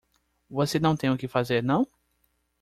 Você não tem o que fazer não?